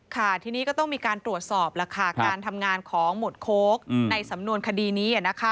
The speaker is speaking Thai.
ค่ะทีนี้ก็ต้องมีการตรวจสอบแล้วค่ะการทำงานของหมวดโค้กในสำนวนคดีนี้